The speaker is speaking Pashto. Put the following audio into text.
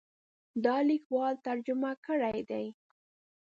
دا لیکوال ترجمه کړی دی.